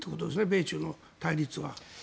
米中の対立は。